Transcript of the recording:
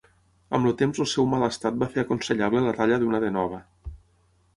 Amb el temps el seu mal estat va fer aconsellable la talla d'una de nova.